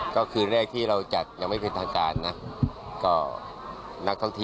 ก็คือในแรกที่เราจัดยังไม่เป็นทางการนะ